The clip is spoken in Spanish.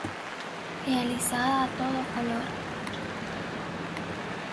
Realizada a todo Color.